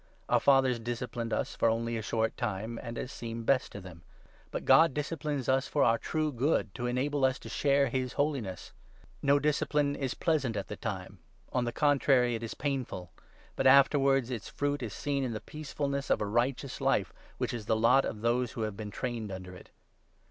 Our fathers disciplined us for only a short 10 time and as seemed best to them ; but God disciplines us for our true good, to enable us to share his holiness. No n discipline is pleasant at the time ; on the contrary, it is painful. But afterwards its fruit is seen in the peacefulness of a righteous life which is the lot of those who have been trained under it.